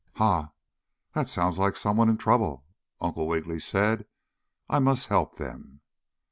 "Ha! That sounds like some one in trouble!" Uncle Wiggily said. "I must help them."